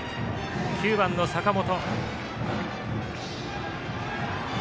９番の坂本。